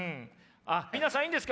皆さんいいんですか？